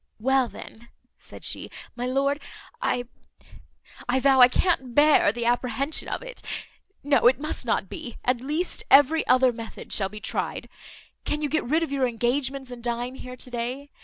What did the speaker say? "Well, then," said she, "my lord, I I vow, I can't bear the apprehension of it. No, it must not be. At least every other method shall be tried. Can you get rid of your engagements, and dine here to day?